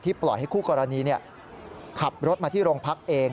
ปล่อยให้คู่กรณีขับรถมาที่โรงพักเอง